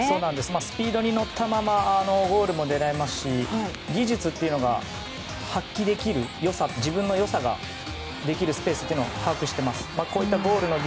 スピードに乗ったままゴールも狙えますし技術というのが発揮できる良さや自分の良さが出るスペースを把握しています。